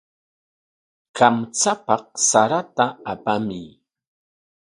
Kamchapaq sarata apamuy.